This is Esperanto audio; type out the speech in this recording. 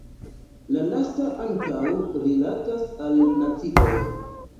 La lasta ankaŭ rilatas al nacioj.